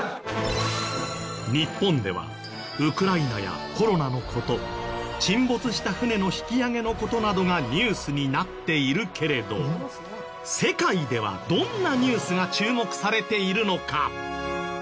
日本ではウクライナやコロナの事沈没した船の引き揚げの事などがニュースになっているけれど世界ではどんなニュースが注目されているのか？